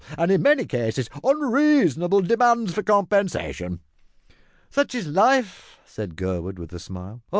and, in many cases, unreasonable demands for compensation." "Such is life," said Gurwood with a smile.